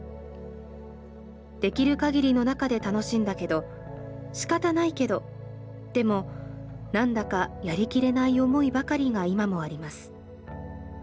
出来る限りの中で楽しんだけど仕方ないけどでも何だかやりきれない思いばかりが今もあります。